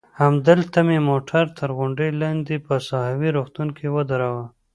همدلته مې موټر تر غونډۍ لاندې په ساحوي روغتون کې ودراوه.